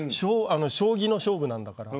将棋の勝負なんだから。